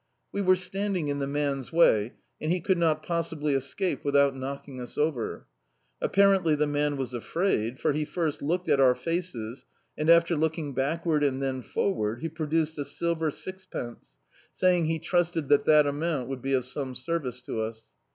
We were standing in the man's way, and he could not possibly escape without knocking us over. Apparently the man was afraid, for he first looked at our faces, and after looking Iwckward and "then forward, he pro duced a silver sixpence, saying he trusted that that amount would be of some service to us.